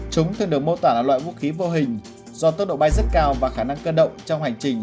chúng thường được mô tả là loại vũ khí vô hình do tốc độ bay rất cao và khả năng cơ động trong hành trình